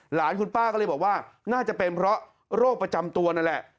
หลานคุณป้าก็เลยบอกว่าน่าจะเป็นเพราะโรคประจำตัวนั่นแหละ